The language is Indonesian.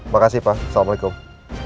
makasih pak assalamualaikum